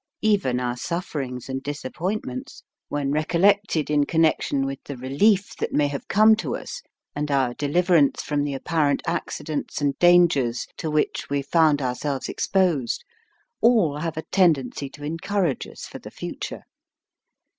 Even our sufferings and disap pointments, when recollected in con nection with the relief that may have come to us, and our deliverance from MIND, MATTER the apparent accidents and dangers to which we found ourselves exposed, all have a tendency to encourage us for the future.